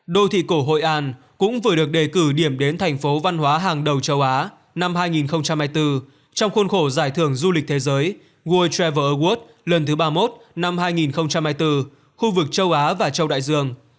đô thị cổ hội an cũng vừa được đề cử điểm đến thành phố văn hóa hàng đầu châu á năm hai nghìn hai mươi bốn trong khuôn khổ giải thưởng du lịch thế giới world travel award lần thứ ba mươi một năm hai nghìn hai mươi bốn khu vực châu á và châu đại dương